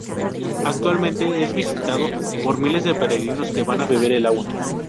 Actualmente es visitado por miles de peregrinos que van a beber del agua.